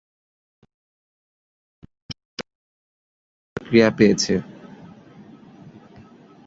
ধারাবাহিকটি দর্শকের মাঝে মিশ্র প্রতিক্রিয়া পেয়েছে।